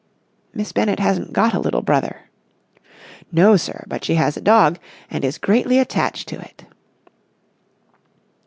"Miss Bennett hasn't got a little brother." "No, sir. But she has a dog, and is greatly attached to it."